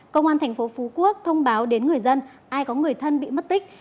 công an tp phú quốc thông báo đến người dân ai có người thân bị mất tích